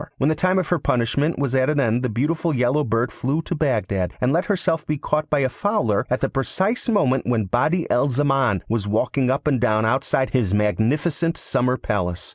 When the time of her punishment was at an end the beautiful yellow bird flew to Bagdad, and let herself be caught by a Fowler at the precise moment when Badi al Zaman was walking up and down outside his magnificent summer palace.